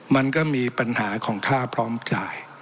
มันก็มีปัญหาของค่าพร้อมจ่าย